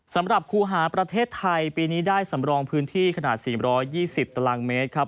สำหรับครูหาประเทศไทยปีนี้ได้สำรองพื้นที่ขนาด๔๒๐ตรมครับ